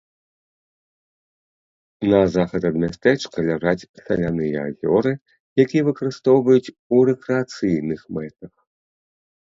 На захад ад мястэчка ляжаць саляныя азёры, якія выкарыстоўваюць у рэкрэацыйных мэтах.